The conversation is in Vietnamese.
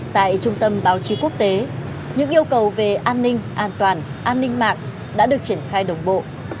tại trung tâm báo chí quốc tế những yêu cầu về an ninh an toàn an ninh mạng đã được triển khai đồng bộ